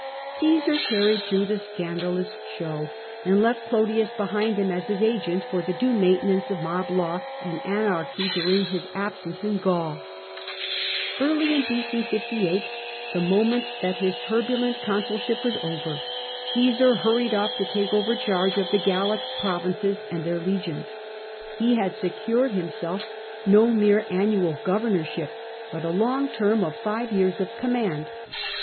Caesar carried through the scandalous show, and left Clodius behind him as bis agent for the due maintenance of mob law and anarcliy during his absence in Gaul Early in b.c. 58 , the moment that Ms turbulent consulship was over, OiBsar hurried off to take over charge of the Gallic provinces and their legions. He had secured himself no mere annual governorship, but a long term of five years of command.